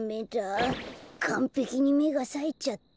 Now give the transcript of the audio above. かんぺきにめがさえちゃったよ。